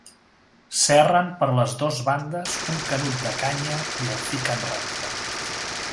Serren per les dos bandes un canut de canya i el fiquen recte.